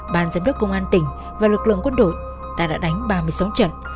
ban giám đốc công an tỉnh và lực lượng quân đội ta đã đánh ba mươi sáu trận